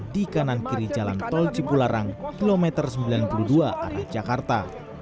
di kanan kiri jalan tol cipularang kilometer sembilan puluh dua arah jakarta